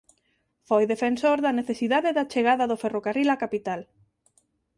Foi defensor da necesidade da chagada do ferrocarril á capital.